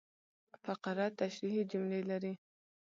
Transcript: فقره تشریحي جملې لري.